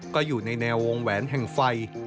ก็อยู่ในแนววงแหวนแห่งไฟ